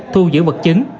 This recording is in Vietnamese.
thu giữ bật chứng